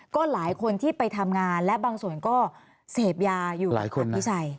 ก็หลายคนที่ไปทำงานและบางส่วนก็เสพยาอยู่กับคุณพิชัย